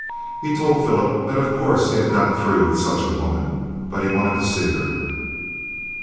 He told Philip that of course he had got through with such a woman, but he wanted to see her.